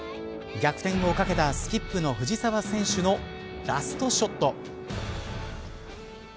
逆転をかけたスキップの藤澤選手のラストショット。